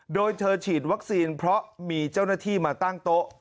โดยเธอฉีดวัคซีนเพราะมีเจ้าหน้าที่มาตั้งโต๊ะ